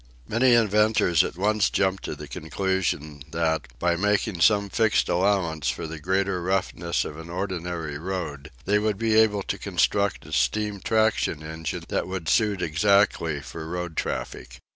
Many inventors at once jumped to the conclusion that, by making some fixed allowance for the greater roughness of an ordinary road, they would be able to construct a steam traction engine that would suit exactly for road traffic.